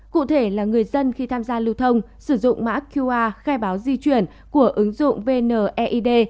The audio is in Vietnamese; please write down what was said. cụ thể là người dân khi tham gia lưu thông sử dụng mã qr khai báo di chuyển của ứng dụng vneid